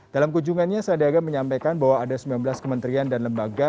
dalam kunjungannya sandiaga menyampaikan bahwa ada sembilan belas kementerian dan lembaga